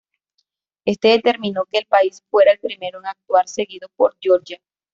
Este determinó que el país fuera el primero en actuar, seguido por Georgia.